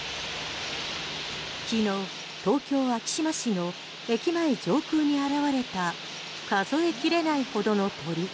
昨日、東京・昭島市の駅前上空に現れた数え切れないほどの鳥。